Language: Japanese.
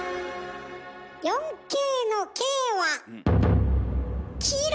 ４Ｋの「Ｋ」はキロ！